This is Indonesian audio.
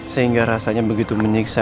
sehingga rasanya begitu menyiksa